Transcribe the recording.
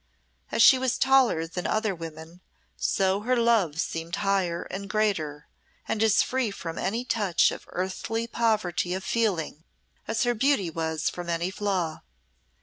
As she was taller than other women, so her love seemed higher and greater, and as free from any touch of earthly poverty of feeling as her beauty was from any flaw.